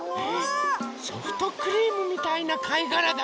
ソフトクリームみたいなかいがらだね。